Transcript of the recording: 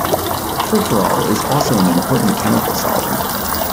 Furfural is also an important chemical solvent.